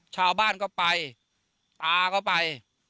ชาวบ้านก็ไปตาก็ไป